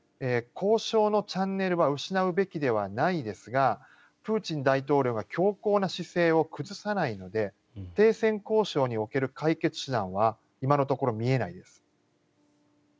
交渉のチャンネルは失うべきではないですがプーチン大統領が強硬な姿勢を崩さないので停戦交渉における解決手段は今のところ見えないです。